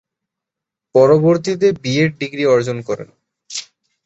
পরবর্তীতে BEd degree অর্জন করেন।